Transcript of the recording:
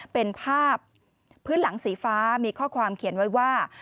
เป็นภาพพื้นหลังสีฟ้ามีข้อความเขียนไว้ว่า